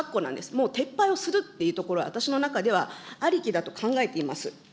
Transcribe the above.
もう撤廃をするというところを私の中ではありきだと考えています。